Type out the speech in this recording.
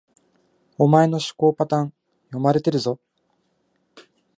お前の思考パターン、読まれてるぞ